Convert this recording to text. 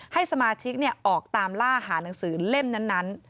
ให้สมาชิกออกตามล่าหาหนังสือเล่มนั้น